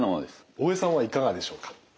大江さんはいかがでしょうか？